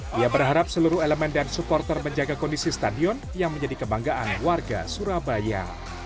dia berharap seluruh elemen dan supporter menjaga kondisi stadion yang menjadi kebanggaan warga surabaya